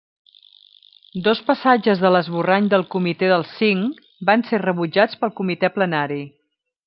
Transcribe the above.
Dos passatges de l'esborrany del Comitè dels Cinc van ser rebutjats pel Comitè Plenari.